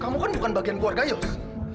kamu kan bukan bagian keluarga yos